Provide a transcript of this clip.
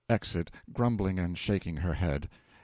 (Exit, grumbling and shaking her head.)